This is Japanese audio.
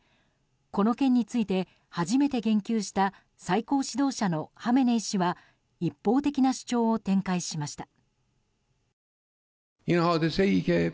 この件について、初めて言及した最高指導者のハメネイ師は一方的な主張を展開しました。